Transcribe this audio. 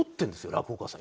落語家さん。